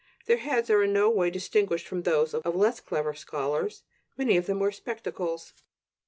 Their heads are in no way distinguished from those of less clever scholars; many of them wear spectacles.